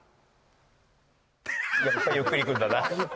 やっぱりゆっくりいくんだな。